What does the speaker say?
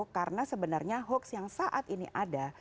karena sebenarnya hoax yang saat ini ada